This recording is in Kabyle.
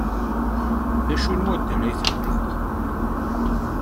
D acu n waddal ay tḥemmleḍ?